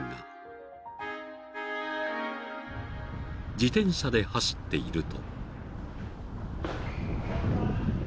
［自転車で走っていると］